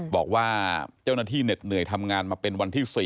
บอกว่าเจ้าหน้าที่เหน็ดเหนื่อยทำงานมาเป็นวันที่๔